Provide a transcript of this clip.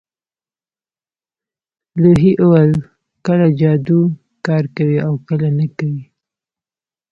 لوحې ویل کله جادو کار کوي او کله نه کوي